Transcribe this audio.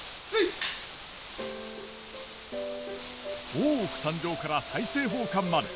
大奥誕生から大政奉還まで。